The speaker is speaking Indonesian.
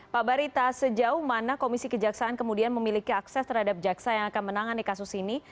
pak barita sejauh mana komisi kejaksaan kemudian memiliki akses terhadap jaksa yang akan menangani kasus ini